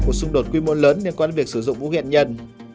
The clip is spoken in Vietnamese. của xung đột quy mô lớn liên quan đến việc sử dụng vũ khí hạt nhân